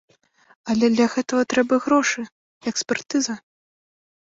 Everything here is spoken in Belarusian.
Але для гэтага трэба грошы, экспертыза.